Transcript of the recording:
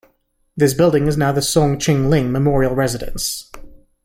This building is now the Soong Ching-ling Memorial Residence.